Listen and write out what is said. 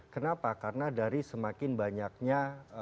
kenapa karena dari semakin banyaknya